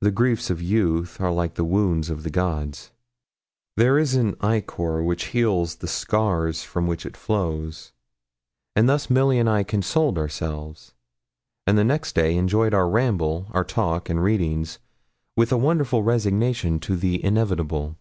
The griefs of youth are like the wounds of the gods there is an ichor which heals the scars from which it flows: and thus Milly and I consoled ourselves, and next day enjoyed our ramble, our talk and readings, with a wonderful resignation to the inevitable.